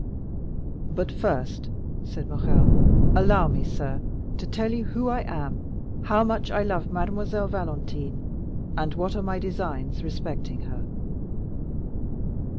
"But first," said Morrel, "allow me, sir, to tell you who I am, how much I love Mademoiselle Valentine, and what are my designs respecting her."